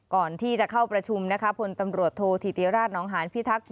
ก่อนที่จะเข้าประชุมนะคะพลตำรวจโทษธิติราชนองหานพิทักษ